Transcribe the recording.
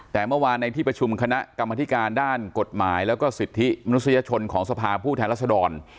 แต่เมื่อวานในที่ประชุมคณะกรรมธิการด้านกฎหมายแล้วก็สิทธิมนุษยชนของสภาผู้แทนรัศดร